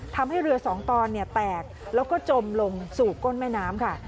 ทำให้เรือสองตอนแตกแล้วก็จมลงสู่ก้นแม่น้ำค่ะ